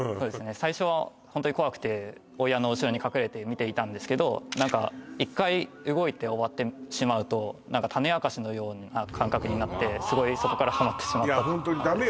最初はホントに怖くて親の後ろに隠れて見ていたんですけど何か１回動いて終わってしまうと何か種明かしのような感覚になってすごいそこからハマってしまったんですいや